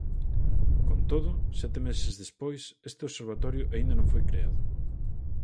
Con todo, sete meses despois, este observatorio aínda non foi creado.